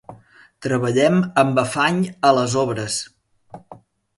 Treballem amb afany a les obres.